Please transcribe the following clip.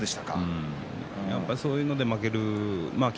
そういうので負ける霧